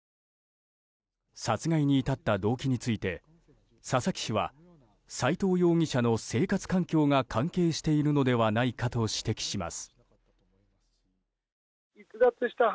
殺害に至った動機について佐々木氏は斎藤容疑者の生活環境が関係しているのではないかと指摘します。